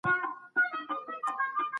ښه دوست غم کموي